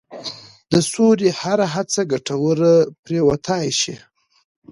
د سولې هره هڅه ګټوره پرېوتای شي.